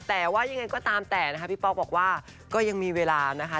แต่ว่ายังไงก็ตามแต่นะคะพี่ป๊อกบอกว่าก็ยังมีเวลานะคะ